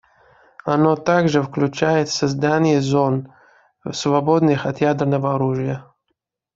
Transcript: Оно также включает создание зон, свободных от ядерного оружия.